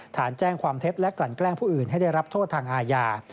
ฐานแจ้งความเท็จและกลั่นแกล้งผู้อื่นให้ได้รับโทษทางอาญา